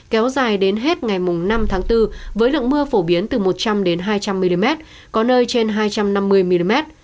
kéo dài đến hết ngày năm tháng bốn với lượng mưa phổ biến từ một trăm linh hai trăm linh mm có nơi trên hai trăm năm mươi mm